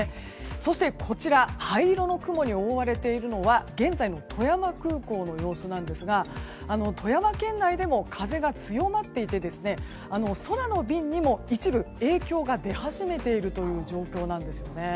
そして灰色の雲に覆われているのは現在の富山空港の様子なんですが富山県内でも風が強まっていて空の便にも一部影響が出始めている状況です。